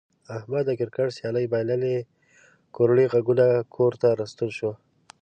احمد د کرکټ سیالي بایللې کوړی غوږونه کور ته راستون شو.